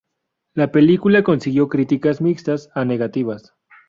La película consiguió críticas mixtas a negativas.